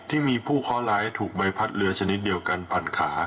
ที่มีผู้เคาะร้ายถูกใบพัดเรือชนิดเดียวกันปั่นขา